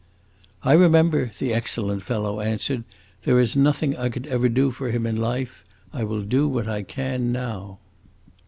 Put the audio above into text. "I remember," the excellent fellow answered. "There was nothing I could ever do for him in life; I will do what I can now."